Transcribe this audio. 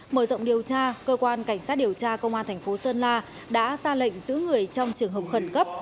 mở rộng điều tra cơ quan cảnh sát điều tra công an thành phố sơn la đã ra lệnh giữ người trong trường hợp khẩn cấp